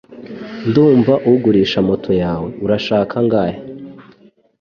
Ndumva ugurisha moto yawe Urashaka angahe?